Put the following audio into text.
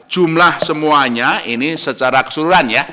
jumlah semuanya ini secara keseluruhan ya